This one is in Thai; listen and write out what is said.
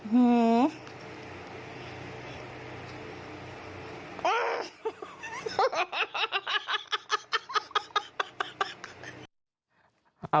หื้อ